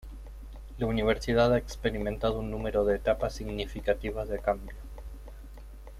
La universidad ha experimentado un número de etapas significativas de cambio.